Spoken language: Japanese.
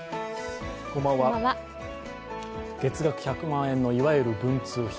月額１００万円の、いわゆる文通費。